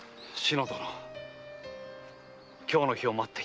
志乃殿今日の日を待っていた。